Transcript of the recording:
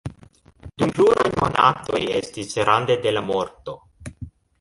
Dum pluraj monatoj estis rande de la morto.